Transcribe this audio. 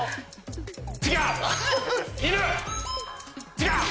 違う！